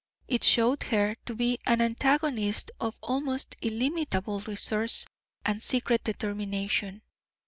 It showed her to be an antagonist of almost illimitable resource and secret determination.